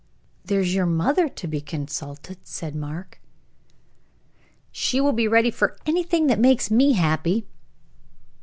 "There's your mother to be consulted," said Mark. "She will be ready for anything that makes me happy."